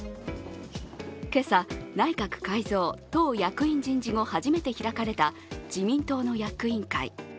今朝、内閣改造・党役員人事の初めて開かれた自民党の役員会。